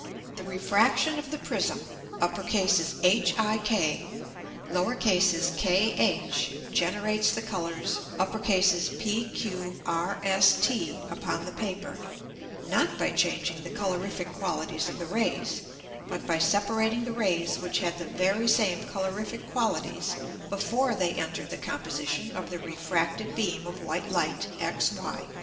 The Refraction of the Prism HIK kh generates the Colours PQRST upon the Paper, not by changing the colorific Qualities of the Rays, but by separating the Rays which had the very same colorific Qualities before they enter'd the Composition of the refracted beam of white Light XY.